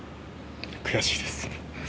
悔しいです。